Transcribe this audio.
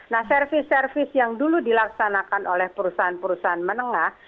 nah servis servis yang dulu dilaksanakan oleh perusahaan perusahaan menengah